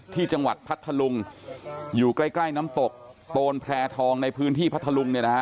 ที่จังหวัดพัฒน์ทะลุงอยู่ใกล้น้ำตกต้นแผลทองในพื้นที่พัฒน์ทะลุงเนี้ยนะฮะ